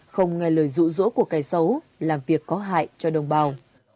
không nghe lời rũ rỗ của cái xấu làm việc có hại cho đồng bào